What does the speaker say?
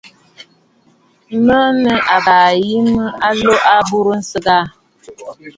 Mə̀ nɨ àbaa yìi mə a lo a aburə nsɨgə aà.